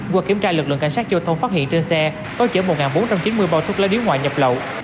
qua kiểm tra lực lượng cảnh sát giao thông phát hiện trên xe có chở một bốn trăm chín mươi bao thuốc lá điếu ngoại nhập lậu